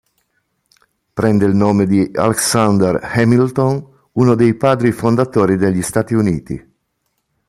Prende il nome di Alexander Hamilton, uno dei Padri fondatori degli Stati Uniti.